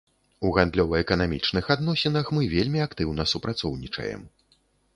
У гандлёва-эканамічных адносінах мы вельмі актыўна супрацоўнічаем.